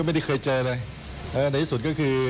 สวัสดีครับทุกคน